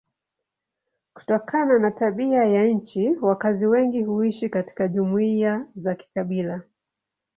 Kutokana na tabia ya nchi wakazi wengi huishi katika jumuiya za kikabila.